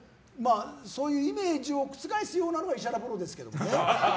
そういうイメージを覆すようなのが石原プロですけどね。